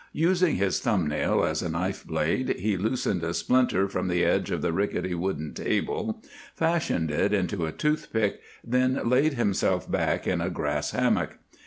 Using his thumb nail as a knife blade, he loosened a splinter from the edge of the rickety wooden table, fashioned it into a toothpick, then laid himself back in a grass hammock.